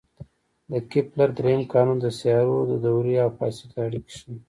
د کپلر درېیم قانون د سیارو د دورې او فاصلې اړیکې ښيي.